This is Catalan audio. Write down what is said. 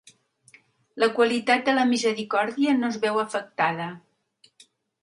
La qualitat de la misericòrdia no es veu afectada